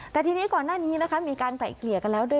แต่ทีนี้ก่อนหน้านี้นะคะมีการไกล่เกลี่ยกันแล้วด้วย